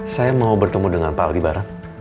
saya mau bertemu dengan pak aldi baran